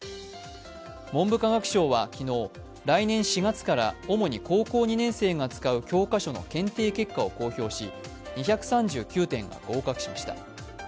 文部科学省は昨日、来年４月から主に高校２年生が使う教科書の検定結果を公表し２３９点が合格しました。